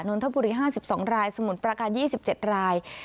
นทบุรี๕๒รายสมุทรประการ๒๗ราย